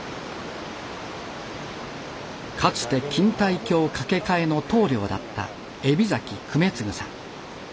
かつて錦帯橋架け替えの棟りょうだった海老粂次さん。